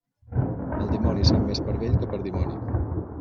El dimoni sap més per vell que per dimoni.